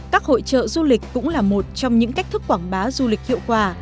các hội trợ du lịch cũng là một trong những cách thức quảng bá du lịch hiệu quả